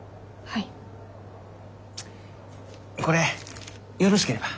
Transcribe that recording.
これよろしければ。